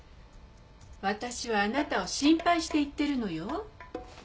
私はあなたを心配して言ってるのよ。